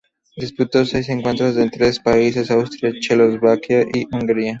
Disputó seis encuentros en tres países: Austria, Checoslovaquia y Hungría.